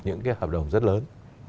những cái hợp đồng rất lớn